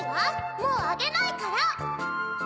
もうあげないから！